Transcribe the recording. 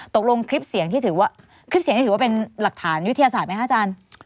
ตกลงคลิปเสียงที่ถือว่าเป็นหลักฐานวิทยาศาสตร์ไหมคะอาจารย์